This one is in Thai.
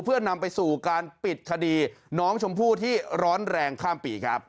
เพื่อนำไปสู่การปิดคดีน้องชมพู่ที่ร้อนแรงข้ามปีครับ